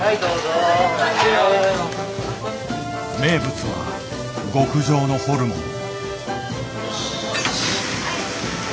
名物は極上のホルモン。